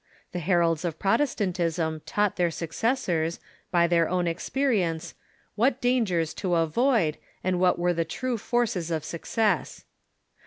The her alds of Protestantism taught their successors, by their own ex perience, Avhat dangers to avoid, and Avhat Avere the true forces of success.